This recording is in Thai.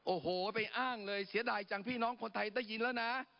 โอ้โหไปอ้างเลยเสียดายจังพี่น้องคนไทยได้ยินแล้วนะ